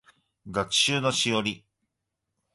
学習のしおり